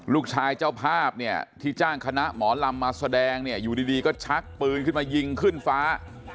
เจ้าภาพเนี่ยที่จ้างคณะหมอลำมาแสดงเนี่ยอยู่ดีก็ชักปืนขึ้นมายิงขึ้นฟ้า